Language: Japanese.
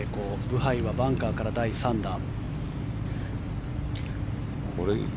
ブハイはバンカーから第３打。